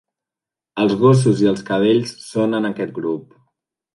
Els gossos i els cadells són en aquest grup.